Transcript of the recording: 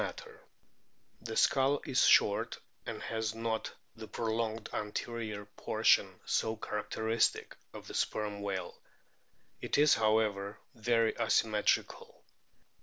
SPERM WHALES 187 The skull is short, and has not the prolonged anterior portion so characteristic of the Sperm whale. It is, however, very asymmetrical.